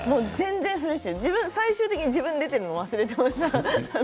最終的に自分が出ているのを忘れていました。